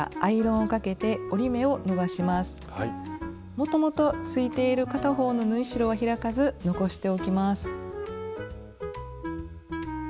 もともとついている片方の縫い代は開かず残しておきます。